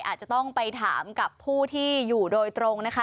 อาจจะต้องไปถามกับผู้ที่อยู่โดยตรงนะคะ